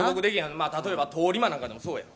例えば通り魔なんかでもそうや。